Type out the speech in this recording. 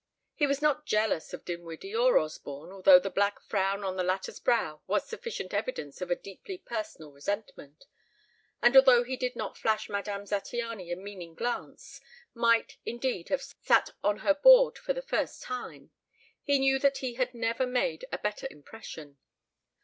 He was not jealous of Dinwiddie or Osborne (although the black frown on the latter's brow was sufficient evidence of a deeply personal resentment), and although he did not flash Madame Zattiany a meaning glance, might indeed have sat at her board for the first time, he knew that he had never made a better impression.